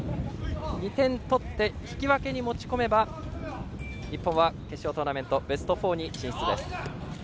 ２点取って引き分けに持ち込めば日本は決勝トーナメントベスト４に進出です。